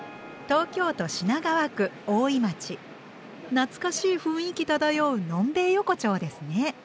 懐かしい雰囲気漂うのんべえ横丁ですね。